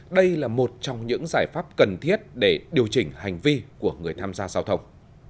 đây là một trong những giải pháp cần thiết để điều chỉnh hành vi của người tham gia giao thông